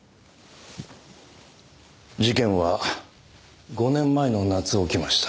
事件は５年前の夏起きました。